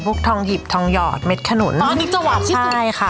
ทองหยิบทองหยอดเม็ดขนุนตอนนี้จะหวานที่สุดใช่ค่ะ